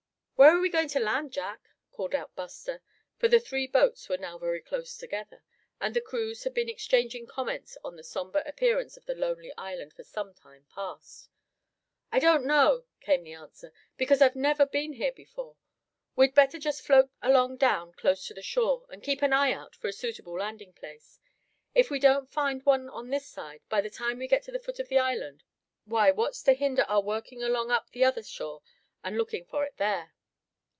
"Where are we going to land, Jack?" called out Buster, for the three boats were now very close together, and the crews had been exchanging comments on the sombre appearance of the lonely island for some time past. "I don't know," came the answer, "because I've never been here before. We'd better just float along down close to the shore, and keep an eye out for a suitable landing place. If we don't find one on this side, by the time we get to the foot of the island, why, what's to hinder our working along up the other shore, and looking for it there?"